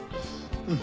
うん。